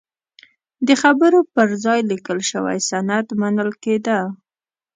د خبرو پر ځای لیکل شوی سند منل کېده.